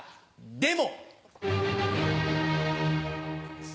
でも。